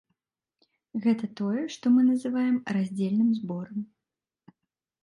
Гэта тое, што мы называем раздзельным зборам.